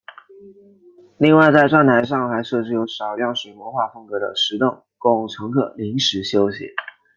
另外在站台上还设置有少量水墨画风格的石凳供乘客临时休息。